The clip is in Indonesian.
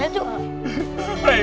lebih ke atasnya jome